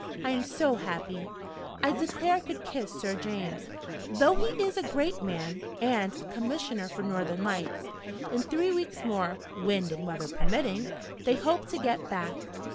I am so happy, I declare I could kiss Sir James though he is a great man, and a Commissioner for Northern Lights! In three weeks more (wind and weather permitting) they hope to get back.